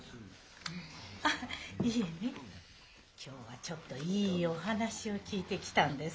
あっいえね今日はちょっといいお話を聞いてきたんですのよ。